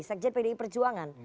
sekjen pdi perjuangan